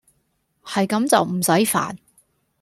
係咁就唔駛煩